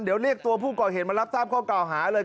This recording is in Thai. เดี๋ยวเรียกตัวผู้ก่อเหตุมารับทราบข้อเก่าหาเลย